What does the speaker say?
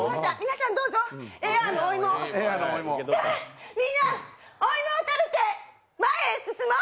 さあ、みんな、お芋を食べて前へ進もう。